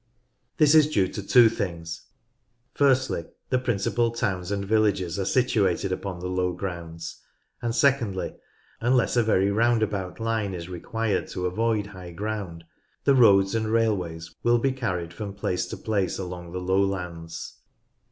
This is due to two things; firstly the principal towns and villages are situated upon the low grounds, and secondly, unless a very roundabout line is required to avoid high ground, the roads and railways will be carried from place to place along the lowlands.